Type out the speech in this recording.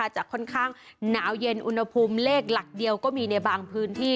จะค่อนข้างหนาวเย็นอุณหภูมิเลขหลักเดียวก็มีในบางพื้นที่